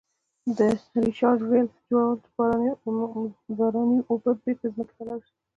د Recharge wells جوړول چې باراني اوبه بیرته ځمکې ته لاړې شي.